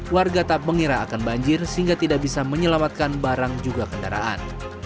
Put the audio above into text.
warga tak mengira akan banjir sehingga tidak bisa menyelamatkan barang juga kendaraan